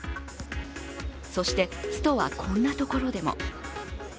そして、ストはこんなところでも。